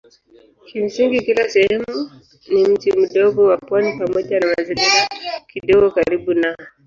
Kimsingi kila sehemu ni mji mdogo wa pwani pamoja na mazingira kidogo karibu nao.